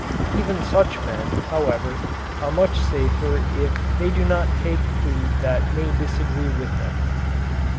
Even such men, however, are much safer if they do not take food that may disagree with them.